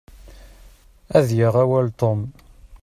Ad yaɣ awal Tom.